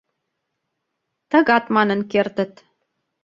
Тыгат манын кертыт».